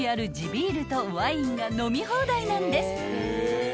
ビールとワインが飲み放題なんです］